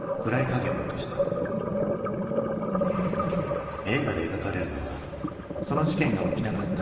映画で描かれるのはその事件が起きなかった虚構の過去。